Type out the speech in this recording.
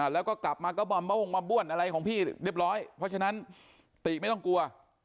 แล้วก็กลับมาก็มามะม่วงมาบ้วนอะไรของพี่เรียบร้อยเพราะฉะนั้นติไม่ต้องกลัว